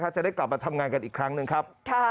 จะได้กลับมาทำงานกันอีกครั้งหนึ่งครับ